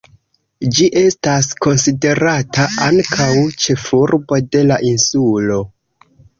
Ĝi estas konsiderata ankaŭ ĉefurbo de la insulo.